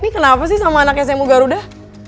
kenapa sih sama anak smu garuda